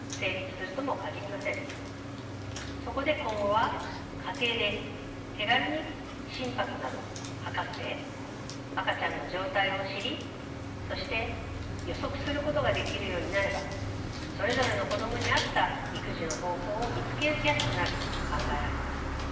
そこで今後は家庭で手軽に心拍などを測って赤ちゃんの状態を知りそして予測することができるようになればそれぞれの子供に合った育児の方法を見つけやすくなると考えられます。